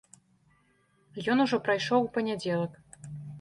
Ён ужо прайшоў у панядзелак.